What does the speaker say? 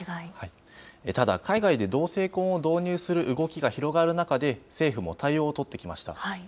ただ、海外では同性婚を導入する動きが広がる中で、政府も対応を取ってきました。